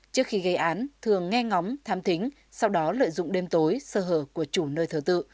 trước khi gây án thường nghe ngóng tham thính sau đó lợi dụng đêm tối sơ hở của chủ nơi thờ tự